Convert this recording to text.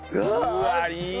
うわいいね！